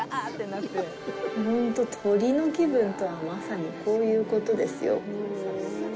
ほんと鳥の気分とはまさにこういうことですよ。